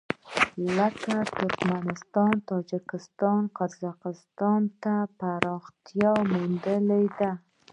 لکه ترکمنستان، تاجکستان او قرغېزستان ته پراختیا موندلې ده.